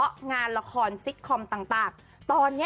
อ่านหวังงูกับโรงการบันเทิม